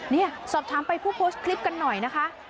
นี่สอบถามไปผู้โพสต์คลิปกันหน่อยนะคะ